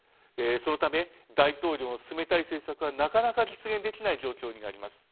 そのため大統領の進めたい政策がなかなか実現できない状況にあります。